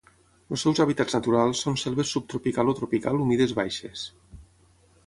Els seus hàbitats naturals són selves subtropical o tropical humides baixes.